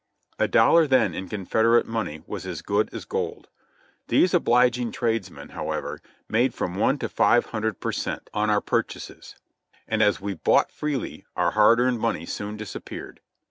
A dollar then in Confederate money was as good as gold. These obliging tradesmen, how ever, made from one to five hundred per cent, on our purchases; and as we bought freely our hard earned money soon disap peared.